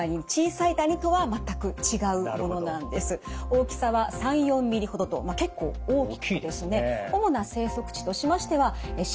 大きさは３４ミリほどと結構大きくてですね